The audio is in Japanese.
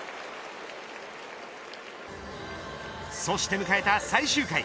そして迎えた最終回。